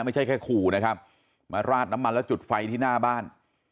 ไม่ใช่แค่ขู่นะครับมาราดน้ำมันแล้วจุดไฟที่หน้าบ้าน